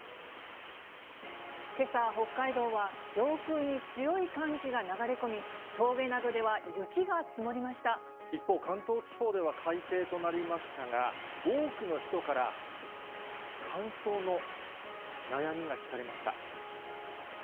けさ、北海道は上空に強い寒気が流れ込み、一方、関東地方では快晴となりましたが、多くの人から、乾燥の悩みが聞かれました。